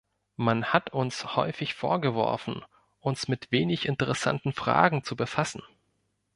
Man hat uns häufig vorgeworfen, uns mit wenig interessanten Fragen zu befassen.